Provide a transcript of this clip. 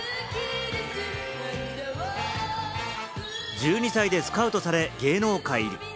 １２歳でスカウトされ、芸能界入り。